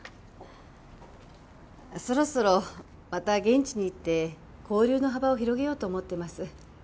そろそろまた現地に行って交流の幅を広げようと思ってます。